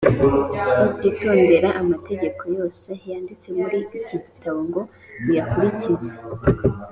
nutitondera amategeko yose yanditse muri iki gitabo ngo uyakurikize,+